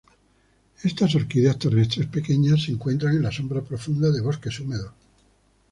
Estas orquídeas terrestres pequeñas se encuentran en la sombra profunda de bosques húmedos.